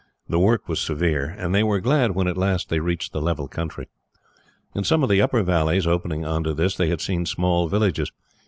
The work was severe, and they were glad when at last they reached the level country. In some of the upper valleys, opening on to this, they had seen small villages.